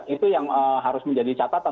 itu yang harus menjadi catatan